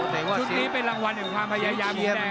ชุดนี้เป็นรางวัลของความพยายามงแดงเลย